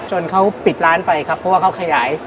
เขาปิดร้านไปครับเพราะว่าเขาขยาย